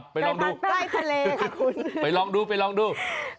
ไปลองดูไปลองดูไปลองดูไปลองดูใกล้ทะเลค่ะคุณ